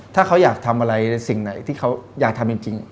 ถ้าเขาอยากทำอะไรในสิ่งไหนที่เขาอยากทำจริง